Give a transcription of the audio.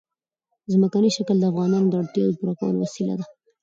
ځمکنی شکل د افغانانو د اړتیاوو د پوره کولو وسیله ده.